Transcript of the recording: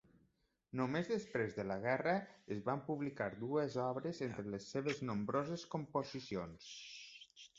Només després de la guerra es van publicar dues obres entre les seves nombroses composicions.